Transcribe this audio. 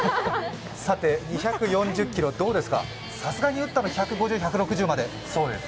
さて２４０キロ、どうですか、さすがに打ったのは１５０、１６０まで。